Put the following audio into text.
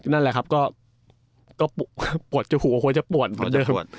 นั่นแหละครับก็ปวดจะหูก็ควรจะปวดเหมือนเดิม